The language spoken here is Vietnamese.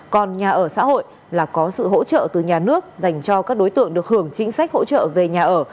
còn nhà ở xã hội là có sự hỗ trợ từ nhà nước dành cho các đối tượng được hưởng chính sách hỗ trợ về nhà ở